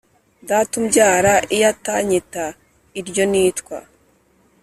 data umbyara iyo atanyita iryo nitwa